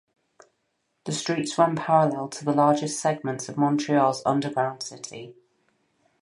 The street runs parallel to the largest segments of Montreal's underground city.